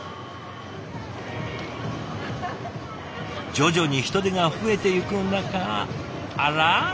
徐々に人出が増えていく中あらぁ？